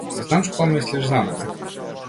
Знам што мислиш за мене.